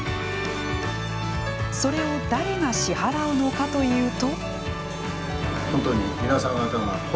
それを誰が支払うのかというと。